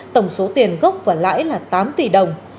tổng số tiền gốc và lãi là tám tỷ đồng